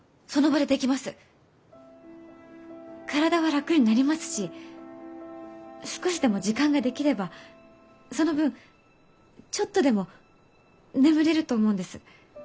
体は楽になりますし少しでも時間ができればその分ちょっとでも眠れると思うんです。